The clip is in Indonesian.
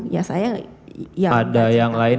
ya saya yang gak cerita ada yang lain